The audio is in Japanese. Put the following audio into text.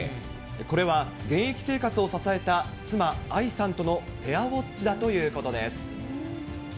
これは現役生活を支えた妻、愛さんとのペアウォッチだということです。